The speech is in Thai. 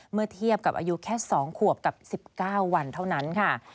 เมื่อเทียบกับอายุแค่๒ขวบกับ๑๙วันเท่านั้นค่ะ